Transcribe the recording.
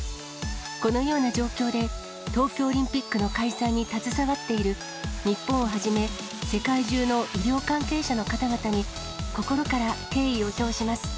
このような状況で、東京オリンピックの開催に携わっている、日本をはじめ、世界中の医療関係者の方々に心から敬意を表します。